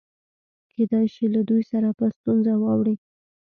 کېدای شي له دوی سره په ستونزه واوړو.